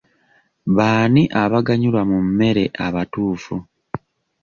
Baani abaganyulwa mu mmere abatuufu?